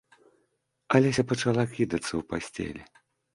Алеся пачала кідацца ў пасцелі.